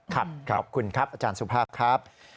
ขอบคุณครับอาจารย์สุภาพครับ